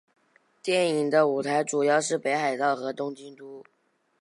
电影的舞台主要是北海道和东京都。